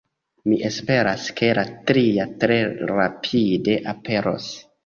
Mi esperas, ke la tria tre rapide aperos.